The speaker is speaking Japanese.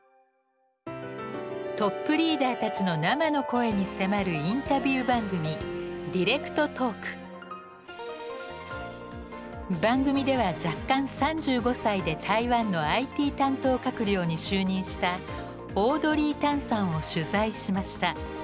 トップリーダーたちの生の声に迫るインタビュー番組番組では弱冠３５歳で台湾のＩＴ担当閣僚に就任したオードリー・タンさんを取材しました。